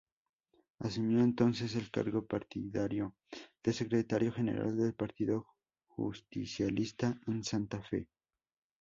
Asumió entonces el cargo partidario de secretario general del Partido Justicialista en Santa Fe.